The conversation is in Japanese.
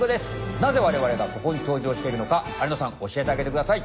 なぜわれわれがここに登場しているのか有野さん教えてあげてください。